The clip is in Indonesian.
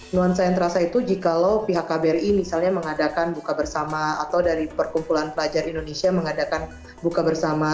nuansa yang terasa itu jikalau pihak kbri misalnya mengadakan buka bersama atau dari perkumpulan pelajar indonesia mengadakan buka bersama